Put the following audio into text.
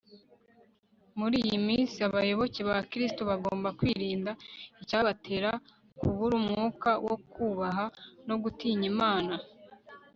muri iyi minsi, abayoboke ba kristo bagomba kwirinda icyabatera kubura umwuka wo kubaha no gutinya imana